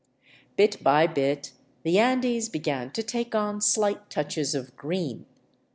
'* Bit by bit the Andes began to take on slight touches of green.